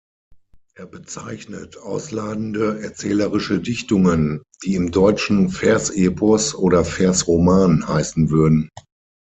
Er bezeichnet ausladende erzählerische Dichtungen, die im Deutschen „Versepos“ oder „Versroman“ heißen würden.